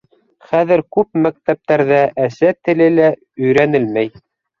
Хәҙер күп мәктәптәрҙә әсә теле лә өйрәнелмәй.